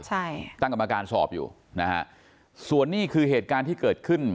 ใช่ตั้งกรรมการสอบอยู่นะฮะส่วนนี้คือเหตุการณ์ที่เกิดขึ้น